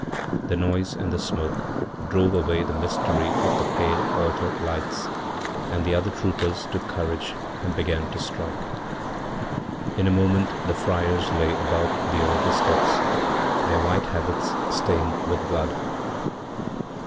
The noise and the smokedrove away the mystery of the pale altar lights, and the othertroopers took courage and began to strike. In a moment the friars layabout the altar steps, their white habits stained with blood.